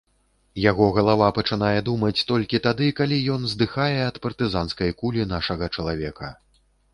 Яго галава пачынае думаць толькі тады, калі ён здыхае ад партызанскай кулі нашага чалавека.